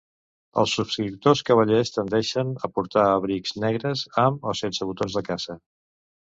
Els subscriptors cavallers tendeixen a portar abrics negres, amb o sense botons de caça.